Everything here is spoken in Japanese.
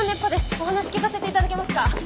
お話聞かせて頂けますか？